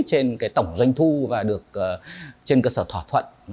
trên cái tổng doanh thu và được trên cơ sở thỏa thuận